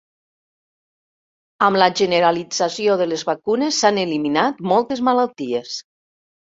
Amb la generalització de les vacunes s'han eliminat moltes malalties.